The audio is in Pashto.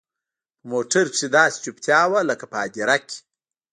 په موټر کښې داسې چوپتيا وه لكه په هديره کښې.